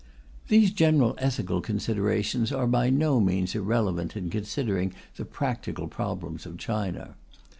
These general ethical considerations are by no means irrelevant in considering the practical problems of China.